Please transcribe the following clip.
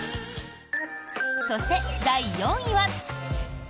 そして、第４位は。